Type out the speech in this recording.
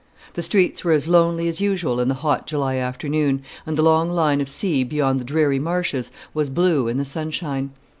The streets were as lonely as usual in the hot July afternoon; and the long line of sea beyond the dreary marshes was blue in the sunshine.